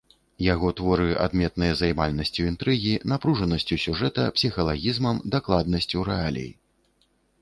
Яго творы адметныя займальнасцю інтрыгі, напружанасцю сюжэта, псіхалагізмам, дакладнасцю рэалій.